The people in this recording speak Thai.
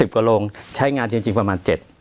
กว่าโรงใช้งานจริงประมาณ๗